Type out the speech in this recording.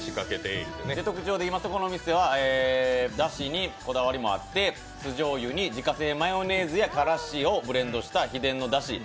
特徴でいいますとだしにこだわりもあって酢じょうゆに自家製マヨネーズやからしをブレンドした秘伝のだし。